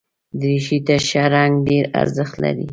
دریشي ته ښه رنګ ډېر ارزښت لري.